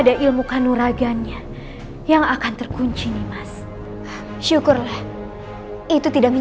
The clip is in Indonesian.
dari mana kau mendapatkan pusaka roda emas